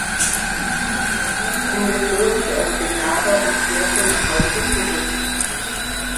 Kurz vor Kriegsende floh sie aus dem Lager und kehrte nach Hause zurück.